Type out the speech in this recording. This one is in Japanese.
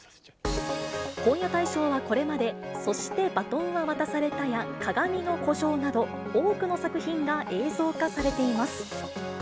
本屋大賞はこれまで、そして、バトンは渡されたや、かがみの孤城など、多くの作品が映像化されています。